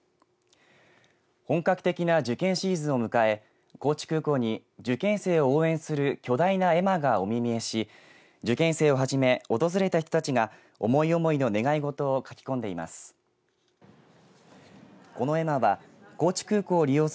本格的な受験シーズンを迎え高知空港に受験生を応援する巨大な絵馬がお目見えし受験生をはじめ訪れた人たちが思い思いの願い事を書き込んでいます。